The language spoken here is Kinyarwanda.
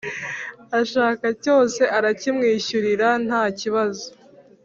ashaka cyose arakimwishyurira ntakibazo.